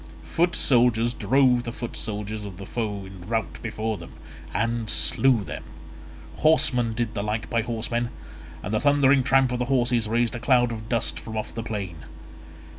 Foot soldiers drove the foot soldiers of the foe in rout before them, and slew them; horsemen did the like by horsemen, and the thundering tramp of the horses raised a cloud of dust from off the plain.